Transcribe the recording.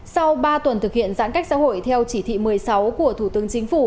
sau ba tuần thực hiện giãn cách xã hội theo chỉ thị một mươi sáu của thủ tướng chính phủ